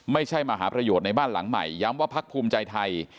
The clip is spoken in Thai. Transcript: ไม่ใช่มหาประโยชน์ในบ้านหลังใหม่ย้ำว่าพักภูมิใจไทย